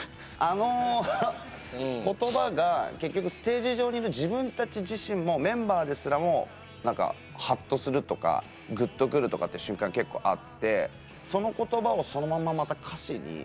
あの言葉が結局ステージ上にいる自分たち自身もメンバーですらもなんかハッとするとかグッとくるとかって瞬間結構あってその言葉をそのまんままた歌詞に。